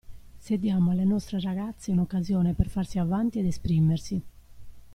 Se diamo alle nostre ragazze un'occasione per farsi avanti ed esprimersi.